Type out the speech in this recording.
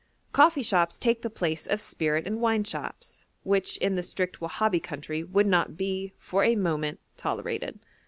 Coffee shops take the place of spirit and wine shops, which in the strict Wahabi country would not be, for a moment, tolerated.